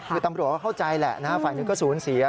คือตำรวจก็เข้าใจแหละฝ่ายหนึ่งก็สูญเสีย